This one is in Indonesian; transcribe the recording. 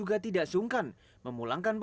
kita harus berharap